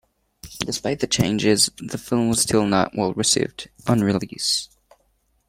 Despite the changes, the film was still not well-received on release.